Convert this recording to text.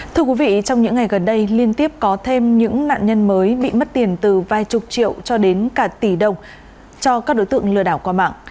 thưa quý vị trong những ngày gần đây liên tiếp có thêm những nạn nhân mới bị mất tiền từ vài chục triệu cho đến cả tỷ đồng cho các đối tượng lừa đảo qua mạng